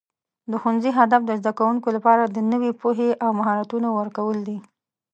د ښوونځي هدف د زده کوونکو لپاره د نوي پوهې او مهارتونو ورکول دي.